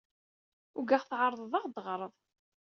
Ugaɣ tɛerḍeḍ ad aɣ-d-teɣreḍ.